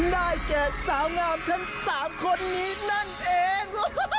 ได้แก่สาวงามทั้ง๓คนนี้นั่นเอง